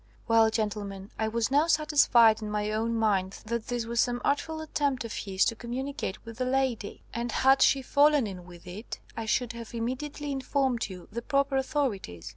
"Well, gentlemen, I was now satisfied in my own mind that this was some artful attempt of his to communicate with the lady, and had she fallen in with it, I should have immediately informed you, the proper authorities.